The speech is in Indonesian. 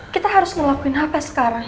kita harus ngelakuin apa sekarang